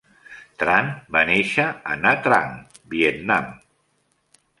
Tran va néixer a Nha Trang, Vietnam.